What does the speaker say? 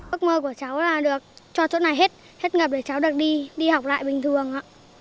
ước mơ của cháu là được cho chỗ này hết ngập để cháu được đi học lại bình thường